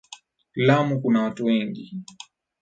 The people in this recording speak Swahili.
Lamu kuna watu wengi.